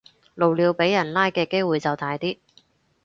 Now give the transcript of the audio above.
露鳥俾人拉嘅機會就大啲